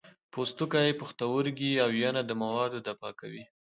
پوستکی، پښتورګي او ینه دا مواد دفع کوي.